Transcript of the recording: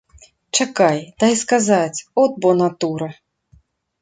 Чакай, дай сказаць, от бо натура!